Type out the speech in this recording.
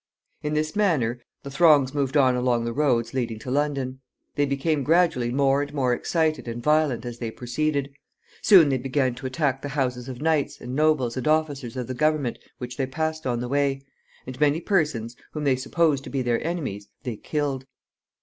In this manner the throngs moved on along the roads leading to London. They became gradually more and more excited and violent as they proceeded. Soon they began to attack the houses of knights, and nobles, and officers of the government which they passed on the way; and many persons, whom they supposed to be their enemies, they killed.